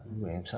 đúng là em sợ